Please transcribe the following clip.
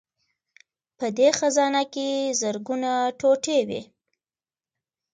په دې خزانه کې زرګونه ټوټې وې